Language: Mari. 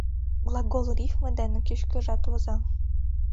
Глагол рифме дене кеч-кӧжат воза.